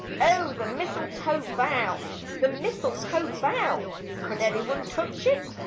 O the mistletoe bough, the mistletoe bough ! Could anyone touch It